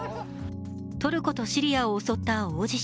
トルコとシリアを襲った大地震。